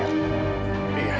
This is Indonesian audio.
terima kasih fadil